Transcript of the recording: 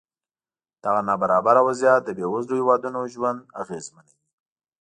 دغه نابرابره وضعیت د بېوزلو هېوادونو ژوند اغېزمنوي.